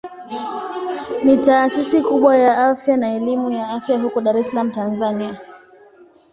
Ni taasisi kubwa ya afya na elimu ya afya huko Dar es Salaam Tanzania.